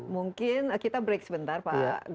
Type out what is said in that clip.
mungkin kita break sebentar pak